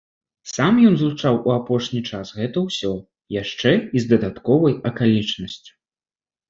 Сам ён злучаў у апошні час гэта ўсё яшчэ і з дадатковай акалічнасцю.